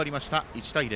１対０。